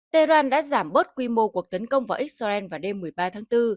tehran đã giảm bớt quy mô cuộc tấn công vào israel vào đêm một mươi ba tháng bốn